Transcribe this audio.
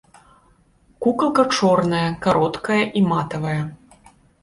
Кукалка чорная, кароткая і матавая.